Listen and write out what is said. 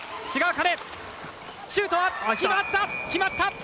志賀紅音シュートは決まった！